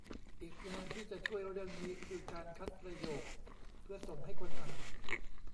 อีกงานที่จะช่วยเรื่องนี้ คือการคัดประโยคเพื่อส่งให้คนอ่าน